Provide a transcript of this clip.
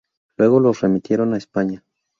Luego los remitieron a España.